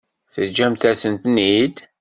Teǧǧamt-asen-ten-id?